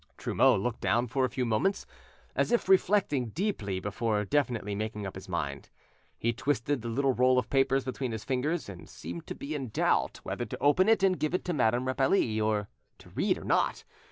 Trumeau looked down for a few moments, as if reflecting deeply before definitely making up his mind. He twisted the little roll of papers between his fingers, and seemed to be in doubt whether to open it and give it to Madame Rapally to read or not.